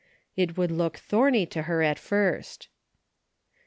It would look thorny to her at first.